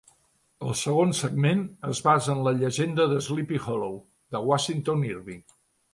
El segon segment es basa en "La llegenda de Sleepy Hollow", de Washington Irving.